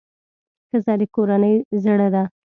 ښځه د کورنۍ زړه ده.